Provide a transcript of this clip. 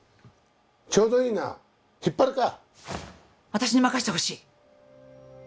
私に任せてほしい！